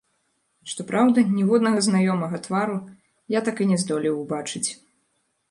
Што праўда, ніводнага знаёмага твару я так і не здолеў убачыць.